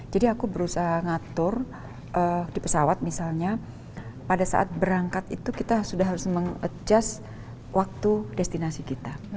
jadi aku berusaha ngatur di pesawat misalnya pada saat berangkat itu kita sudah harus meng adjust waktu destinasi kita